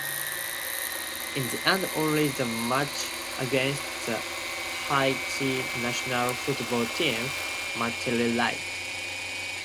In the end only the match against the Haiti national football team materialized.